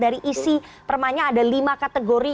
dari isi permanya ada lima kategori